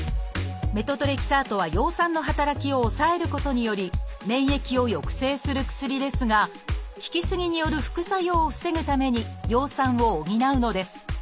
メトトレキサートは葉酸の働きを抑えることにより免疫を抑制する薬ですが効き過ぎによる副作用を防ぐために葉酸を補うのです。